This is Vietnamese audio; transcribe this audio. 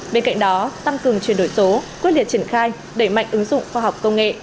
bên cạnh đó tăng cường chuyển đổi số quyết liệt triển khai đẩy mạnh ứng dụng khoa học công nghệ